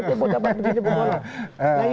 kita dapat begitu pokoknya